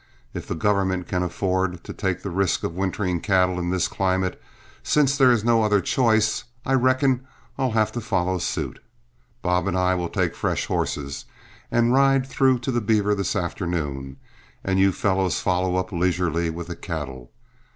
If the government can afford to take the risk of wintering cattle in this climate, since there is no other choice, I reckon I'll have to follow suit. Bob and I will take fresh horses and ride through to the Beaver this afternoon, and you fellows follow up leisurely with the cattle.